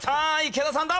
池田さんだ。